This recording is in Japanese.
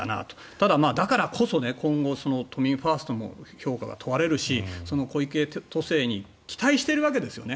ただ、だからこそ今後、都民ファーストの会の評価が問われるし、小池都政に期待しているわけですよね。